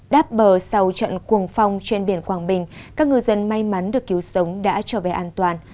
đáp bờ sau trận cuồng phong trên biển quảng bình các ngư dân may mắn được cứu sống đã trở về an toàn